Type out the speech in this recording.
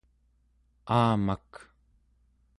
aamak